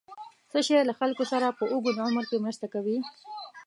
څه شی له خلکو سره په اوږد عمر کې مرسته کوي؟